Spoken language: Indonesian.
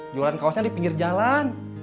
jualan kaosnya di pinggir jalan